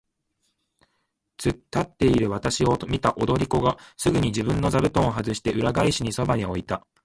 つっ立っているわたしを見た踊り子がすぐに自分の座布団をはずして、裏返しにそばへ置いた。